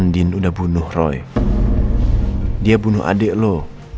dia bunuh adik lo